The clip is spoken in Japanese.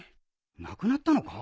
なくなったのか？